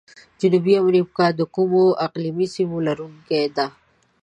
جنوبي امریکا د کومو اقلیمي سیمو لرونکي ده؟